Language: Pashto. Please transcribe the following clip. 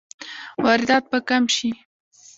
واردات به کم شي؟